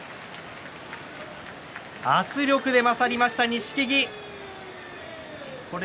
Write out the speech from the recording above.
圧力で勝りました、錦木。